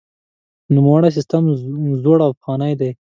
نوموړی سیستم زوړ او پخوانی دی.